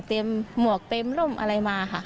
เตรียมหมวกเตรียมลมอะไรมา